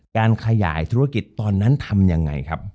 การขยายธุรกิจตอนนั้นทำยังไงครับ